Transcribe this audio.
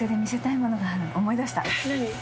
何？